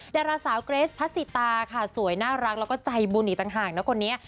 ดาราสาวเกรสพัสสิตาค่ะสวยน่ารักแล้วก็ใจบุญอีกต่างหากนะคนนี้